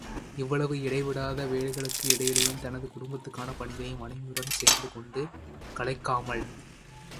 இவ்வளவு இடைவிடாத வேலைகளுக்கு இடையிலேயும் தனது குடும்பத்துக்கான பணிகளையும் மனைவியுடன் சேர்ந்து கொண்டு களைக்காமல் செய்வார்!